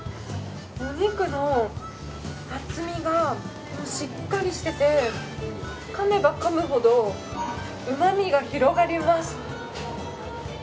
お肉の厚みがしっかりしててかめばかむほどうまみが広がります。